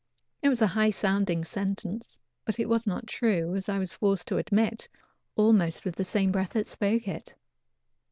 It was a high sounding sentence, but it was not true, as I was forced to admit, almost with the same breath that spoke it.